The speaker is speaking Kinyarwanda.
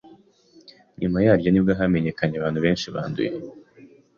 nyuma yaryo nibwo hamenyekanye abantu benshi banduye